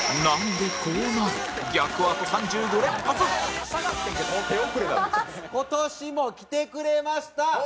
今年も来てくれました。